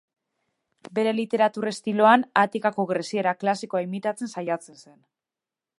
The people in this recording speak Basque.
Bere literatur estiloan Atikako Greziera Klasikoa imitatzen saiatzen zen.